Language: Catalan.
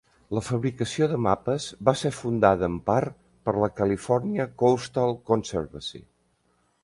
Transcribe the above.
La fabricació de mapes va ser fundada, en part, per la California Coastal Conservancy.